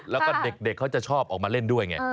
แล้วก็เด็กเขาจะชอบออกมาเล่นด้วยไง